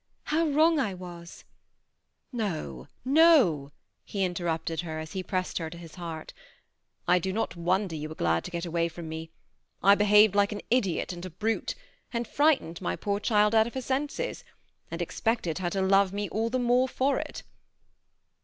How wrong I was !" No, no !" he interrupted her, as he pressed her to THE SEMI ATTACHED COUPLE. 329 his heart. "I do not wonder you were glad to get awaj from me. I behaved like an idiot and a brute, and frightened my poor child out of her senses, and expected her to love me all the more for it."